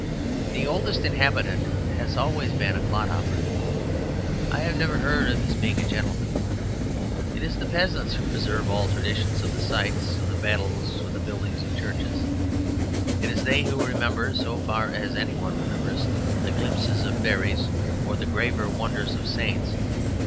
The Oldest Inhabitant has always been a clodhopper; I have never heard of his being a gentleman. It is the peasants who preserve all traditions of the sites of battles or the building of churches. It is they who remember, so far as any one remembers, the glimpses of fairies or the graver wonders of saints.